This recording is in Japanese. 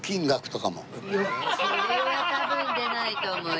それは多分出ないと思います。